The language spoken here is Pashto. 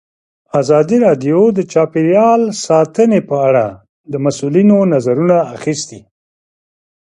ازادي راډیو د چاپیریال ساتنه په اړه د مسؤلینو نظرونه اخیستي.